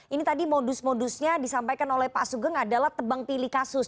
ini tadi modus modusnya disampaikan oleh pak sugeng adalah tebang pilih kasus